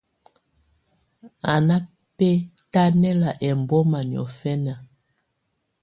Á ná bɛ́tánɛ́la ɛmbɔ́má niɔ̀fɛna.